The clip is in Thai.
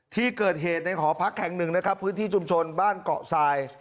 ที่เกิดเหตุในหอพักแห่งหนึ่งนะครับพื้นที่ชุมชนบ้านเกาะทราย